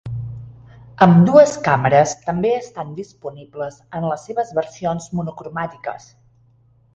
Ambdues càmeres també estan disponibles en les seves versions monocromàtiques.